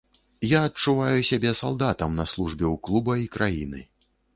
Я адчуваю сябе салдатам на службе ў клуба і краіны.